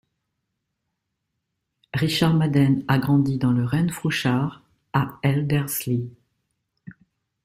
Richard Madden a grandi dans le Renfrewshire à Elderslie.